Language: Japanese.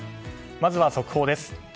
まずは速報です。